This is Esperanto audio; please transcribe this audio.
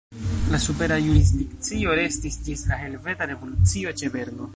La supera jurisdikcio restis ĝis la Helveta Revolucio ĉe Berno.